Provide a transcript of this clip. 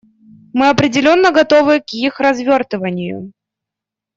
Мы определенно готовы к их развертыванию.